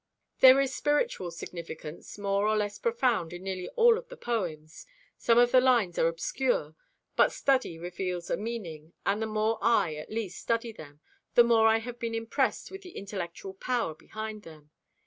There is spiritual significance, more or less profound, in nearly all of the poems. Some of the lines are obscure, but study reveals a meaning, and the more I, at least, study them, the more I have been impressed with the intellectual power behind them.